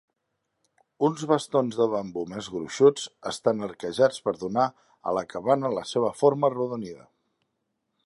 Uns bastons de bambú més gruixuts estan arquejats per donar a la cabana la seva forma arrodonida.